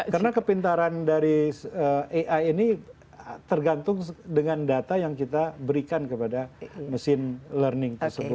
karena kepintaran dari ai ini tergantung dengan data yang kita berikan kepada mesin learning tersebut